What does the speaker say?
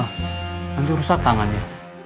nanti rusak tangannya